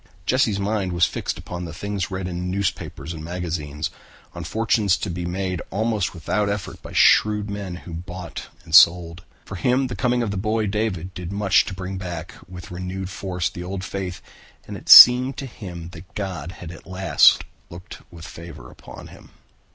Jesse's mind was fixed upon the things read in newspapers and magazines, on fortunes to be made almost without effort by shrewd men who bought and sold. For him the coming of the boy David did much to bring back with renewed force the old faith and it seemed to him that God had at last looked with favor upon him.